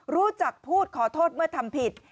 รู้จักพูดขอโทษเมื่อทำผิด